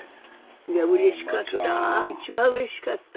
いやうれしかった。